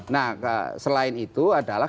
nah selain itu adalah